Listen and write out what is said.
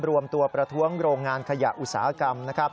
รวมตัวประท้วงโรงงานขยะอุตสาหกรรมนะครับ